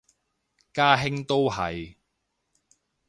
家兄都係